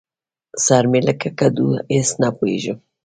سر مې لکه کدو؛ هېڅ نه پوهېږم.